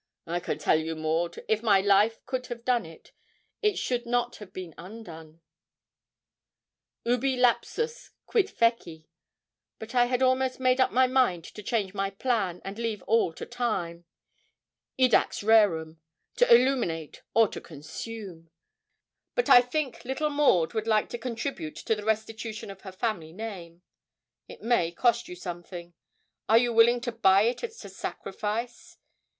'I can tell you, Maud; if my life could have done it, it should not have been undone ubi lapsus, quid feci. But I had almost made up my mind to change my plan, and leave all to time edax rerum to illuminate or to consume. But I think little Maud would like to contribute to the restitution of her family name. It may cost you something are you willing to buy it at a sacrifice?